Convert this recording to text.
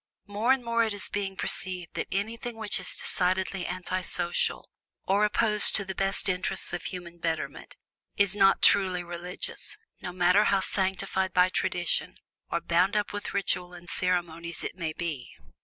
More and more is it being perceived that anything which is decidedly anti social, or opposed to the best interests of human betterment, is not truly "religious," no matter how sanctified by tradition, or bound up with ritual and ceremonies it may be.